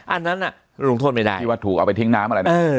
อันนั้นลงโทษไม่ได้ที่ว่าถูกเอาไปทิ้งน้ำอะไรนะ